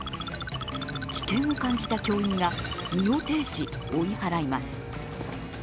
危険を感じた教員が身をていし、追い払います。